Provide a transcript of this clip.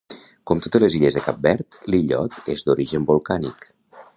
Com totes les illes de Cap Verd, l'illot és d'origen volcànic.